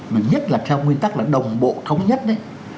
mà nhất là theo nguyên tắc là đồng bộ thống nhất đấy